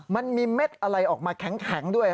มันมีเม็ดอะไรออกมาแข็งด้วย